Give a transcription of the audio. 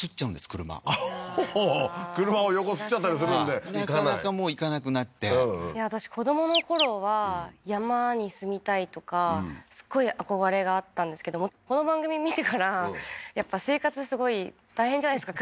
車ほうほう車を横すっちゃったりするんでなかなかもう行かなくなって私子どものころは山に住みたいとかすごい憧れがあったんですけどこの番組見てからやっぱ生活すごい大変じゃないですか